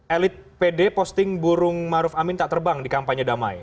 elit pd posting burung maruf amin tak terbang di kampanye damai